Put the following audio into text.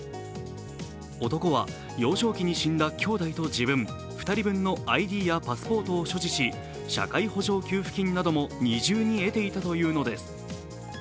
男は、幼少期に死んだ兄弟と自分、２人分のＩＤやパスポートを所持し、社会保障給付金なども二重に得ていたというのです。